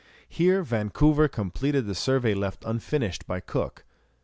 Here Vancouver completed the survey left unfinished by Cook.